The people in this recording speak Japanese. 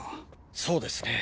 そうですね。